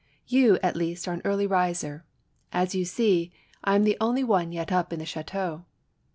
"You, at least, are an early riser! As you see, I am the only one yet up in the chateau."